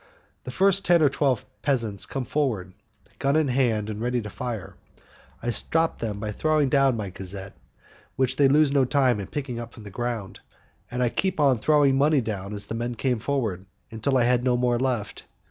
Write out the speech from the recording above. The first ten or twelve peasants come forward, gun in hand and ready to fire: I stop them by throwing down my gazzette, which they lose no time in picking up from the ground, and I keep on throwing money down as the men come forward, until I had no more left.